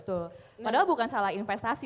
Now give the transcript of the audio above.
betul padahal bukan salah investasi